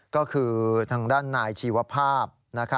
ก็คือทางด้านนายชีวภาพ